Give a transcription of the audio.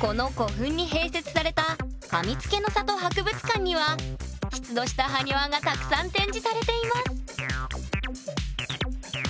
この古墳に併設されたかみつけの里博物館には出土した埴輪がたくさん展示されています